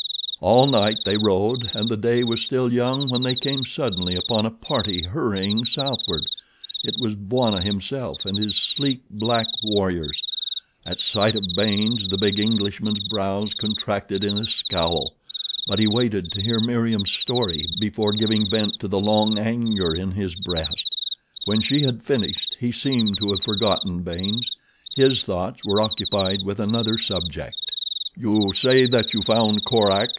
All night they rode, and the day was still young when they came suddenly upon a party hurrying southward. It was Bwana himself and his sleek, black warriors. At sight of Baynes the big Englishman's brows contracted in a scowl; but he waited to hear Meriem's story before giving vent to the long anger in his breast. When she had finished he seemed to have forgotten Baynes. His thoughts were occupied with another subject. "You say that you found Korak?"